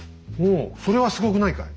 それはすごくないかい。